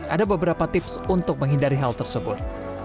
ada beberapa tips untuk menghindari hal tersebut